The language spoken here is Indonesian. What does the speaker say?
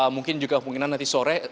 mungkin juga kemungkinan nanti sore